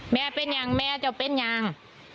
แม่เป็นอย่างแม่จะเป็นยัง